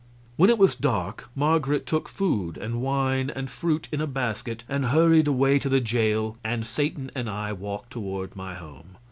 When it was dark Marget took food and wine and fruit, in a basket, and hurried away to the jail, and Satan and I walked toward my home.